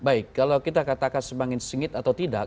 baik kalau kita katakan semakin sengit atau tidak